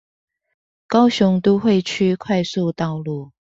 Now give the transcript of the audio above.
高雄都會區快速道路